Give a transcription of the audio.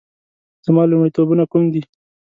زما لومړیتوبونه کوم دي؟